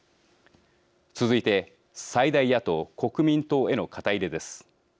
続いて最大野党国民党への肩入れです。